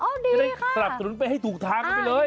ก็ยังได้ขลับจนไปให้ถูกทางไปเลย